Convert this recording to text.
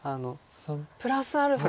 プラスアルファが。